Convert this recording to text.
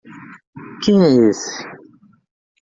Quem é esse?